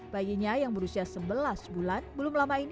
bayinya yang berusia sebelas bulan